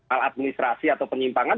aladministrasi atau penyimpangan